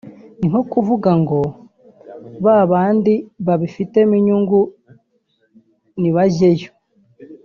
ni nko kuvuga ngo ba bandi babifitemo inyungu nibajyeyo